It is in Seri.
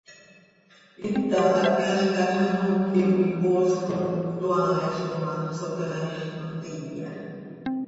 Hita hácalca hax an ooquim coi poosj com cötoaailc oo ma, Socaaix contiya.